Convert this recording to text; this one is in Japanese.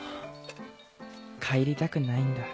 帰りたくないんだ。